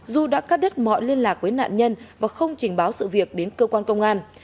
du đã cắt đứt mọi liên lạc với nạn nhân và không trình báo sự việc đến cơ quan công an